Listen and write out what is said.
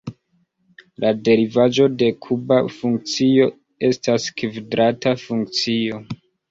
La derivaĵo de kuba funkcio estas kvadrata funkcio.